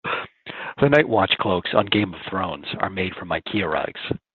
The night watch cloaks on Game of Thrones are made from Ikea rugs.